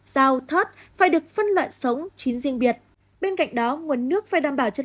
rau thớt phải được phân loại sống chín riêng biệt bên cạnh đó nguồn nước phải đảm bảo cho